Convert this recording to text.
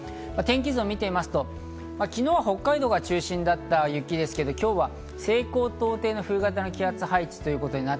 天気図を見てみますと、昨日は北海道が中心だった雪ですけど、今日は西高東低の冬型の気圧配置。